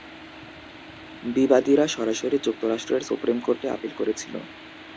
বিবাদীরা সরাসরি যুক্তরাষ্ট্রের সুপ্রিম কোর্টে আপিল করেছিল।